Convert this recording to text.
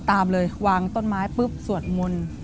ตามเลยวางต้นไม้ปุ๊บสวดมนต์